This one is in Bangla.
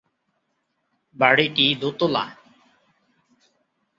বাড়িটি দোতলা।